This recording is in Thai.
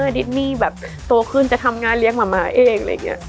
ดิทนี่ตัวขึ้นจะทำงานเลี้ยงมาม่าเอง